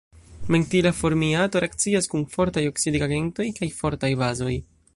Mentila formiato reakcias kun fortaj oksidigagentoj kaj fortaj bazoj.